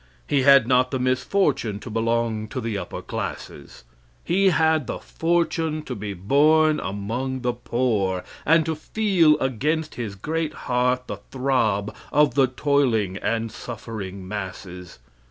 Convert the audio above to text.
He had not the misfortune to belong to the upper classes. He had the fortune to be born among the poor and to feel against his great heart the throb of the toiling and suffering masses.